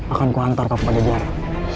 akanku hantar kau ke padajara